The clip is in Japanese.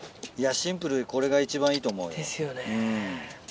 シンプルでこれが一番いいと思うよ。ですよね。